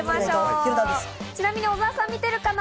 ちなみに小澤さん見てるかな？